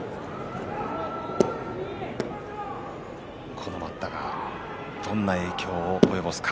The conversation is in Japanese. この待ったがどんな影響を及ぼすか。